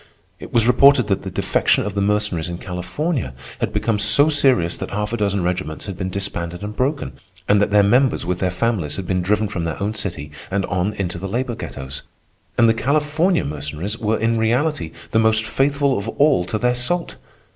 It was reported that the defection of the Mercenaries in California had become so serious that half a dozen regiments had been disbanded and broken, and that their members with their families had been driven from their own city and on into the labor ghettos. And the California Mercenaries were in reality the most faithful of all to their salt!